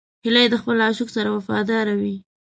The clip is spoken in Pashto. هیلۍ د خپل عاشق سره وفاداره وي